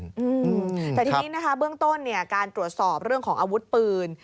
แต่ที่นี่เบื้องต้นการตรวจสอบเรื่องของอาวุธปืน